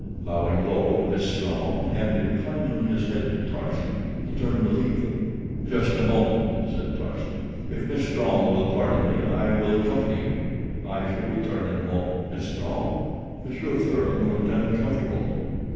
Bowing low to Miss Strong, and inclining his head to Tarzan, he turned to leave them. "Just a moment," said Tarzan. "If Miss Strong will pardon me I will accompany you. I shall return in a moment, Miss Strong." Monsieur Thuran looked uncomfortable.